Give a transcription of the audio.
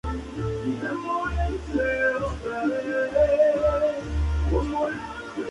Es la tercera universidad más grande de Gales en cuanto al número de estudiantes.